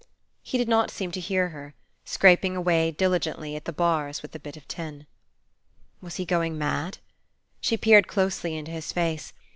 He did not seem to hear her, scraping away diligently at the bars with the bit of tin. Was he going mad? She peered closely into his face.